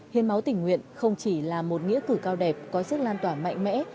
hiến máu tỉnh nguyện không chỉ là một nghĩa cử cao đẹp có sức lan tỏa mạnh mẽ